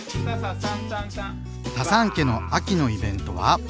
タサン家の秋のイベントは。